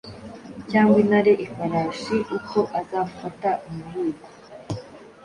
cyangwa intare ifarashi uko azafata umuhigo.